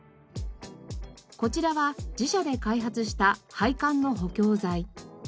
こちらは自社で開発した配管の補強材。